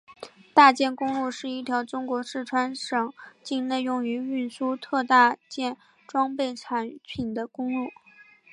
大件公路是一条中国四川省境内用于运输特大件装备产品的公路。